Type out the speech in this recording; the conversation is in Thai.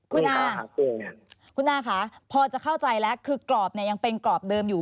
คุณอาคุณนาค่ะพอจะเข้าใจแล้วคือกรอบเนี่ยยังเป็นกรอบเดิมอยู่